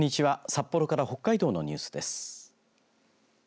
札幌から北海道のニュースです。